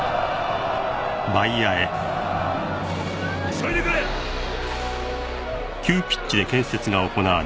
急いでくれ！